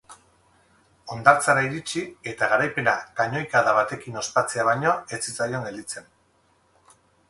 Hondartzara iritsi eta garaipena kanoikada batekin ospatzea baino ez zitzaion gelditzen.